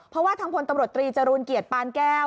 เพราะว่าทางพลตำรวจตรีจรูลเกียรติปานแก้ว